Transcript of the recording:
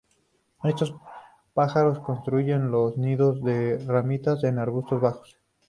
Estos pájaros construyen los nidos de ramitas en arbustos bajos.